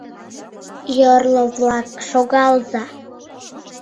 — Йорло-влак, шогалза